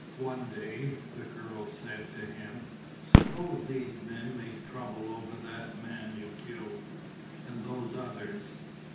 One day the girl said to him: "Suppose these men make trouble over that man you killed and those others."